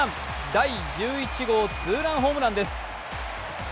第１１号ツーランホームランです。